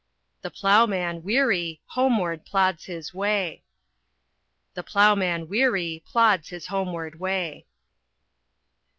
The ploughman, weary, homeward plods his way. The ploughman, weary, plods his homeward way.